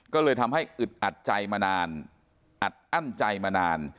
ก็เลยทำให้อึดอัดใจมานานอัดอั้นใจมานาน